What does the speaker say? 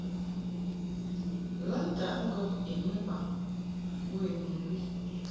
Ghə ntaʼ ŋgɔb I mɨmbaŋ bo I mɨŋgwi.